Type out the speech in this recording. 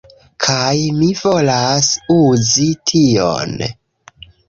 Kaj mi volas uzi tion